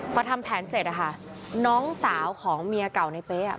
พอทำแผนเสร็จนะคะน้องสาวของเมียเก่าในเป๊ะ